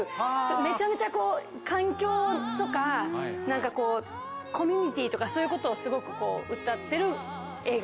めちゃめちゃ環境とか何かこうコミュニティーとかそういうことをすごくうたってる映画。